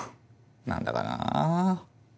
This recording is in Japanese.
何だかな。